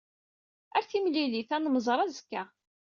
Ar timlilit. Ad nemmẓer azekka.